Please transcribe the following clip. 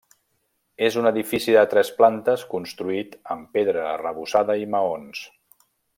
És un edifici de tres plantes construït amb pedra arrebossada i maons.